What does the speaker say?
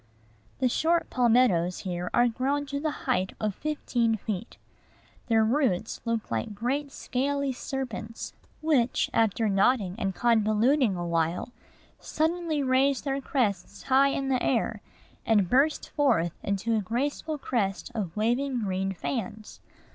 The short palmettoes here are grown to the height of fifteen feet. Their roots look like great scaly serpents, which, after knotting and convoluting a while, suddenly raise their crests high in air, and burst forth into a graceful crest of waving green fans.